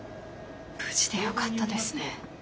無事でよかったですね。